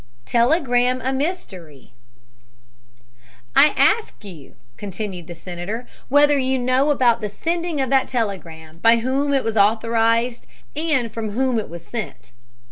" TELEGRAM A MYSTERY "I ask you," continued the senator, "whether you know about the sending of that telegram, by whom it was authorized and from whom it was sent?"